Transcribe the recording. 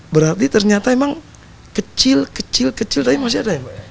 berarti ternyata memang kecil kecil kecil tadi masih ada ya mbak